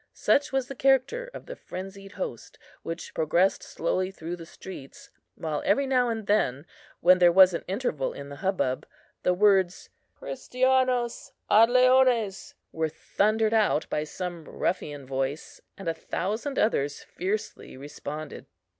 Such was the character of the frenzied host, which progressed slowly through the streets, while every now and then, when there was an interval in the hubbub, the words "Christianos ad leones" were thundered out by some ruffian voice, and a thousand others fiercely responded.